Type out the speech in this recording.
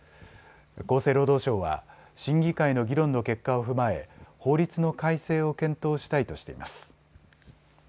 厚生労働省は審議会の議論の結果を踏まえ法律の改正を検討したいとしています。